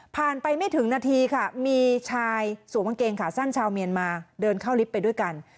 ไปไม่ถึงนาทีค่ะมีชายสวมกางเกงขาสั้นชาวเมียนมาเดินเข้าลิฟต์ไปด้วยกัน